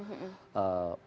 maka mereka juga bisa bergerak